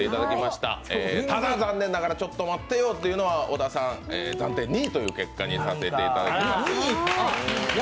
ただ残念ながらちょっと待ってよっていうのは、小田さん暫定２位という結果にさせていただきます。